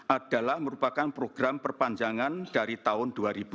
adalah merupakan program perpanjangan dari tahun dua ribu dua puluh